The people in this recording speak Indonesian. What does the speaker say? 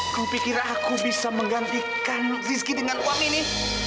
kau pikir aku bisa menggantikan rizky dengan uang ini